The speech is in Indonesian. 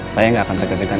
saya tidak akan segerakan